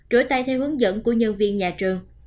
rửa tay theo hướng dẫn của nhân viên nhà trường